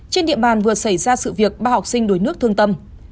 trên địa bàn vừa xảy ra sự việc ba học sinh đuối nước thương tâm